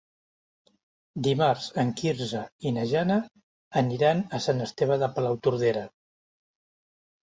Dimarts en Quirze i na Jana aniran a Sant Esteve de Palautordera.